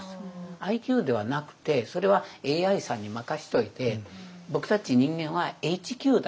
ＩＱではなくてそれはＡＩさんに任せておいて僕たち人間はＨＱだと。